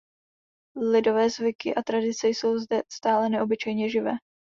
Lidové zvyky a tradice jsou zde stále neobyčejně živé.